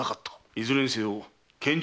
いずれにせよ献上